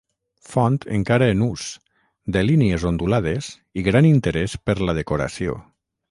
Font encara en ús, de línies ondulades i gran interès per la decoració.